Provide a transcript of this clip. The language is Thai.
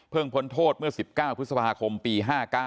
พ้นโทษเมื่อ๑๙พฤษภาคมปี๕๙